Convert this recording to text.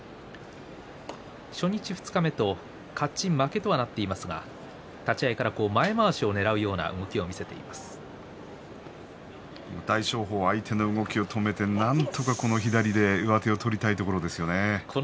初日、二日目と勝ち負けとはなっていますが立ち合いから前まわしをねらうような大翔鵬は相手の動きを止めて上手を取りたいところですよね。